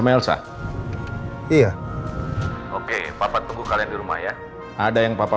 makanya di bawah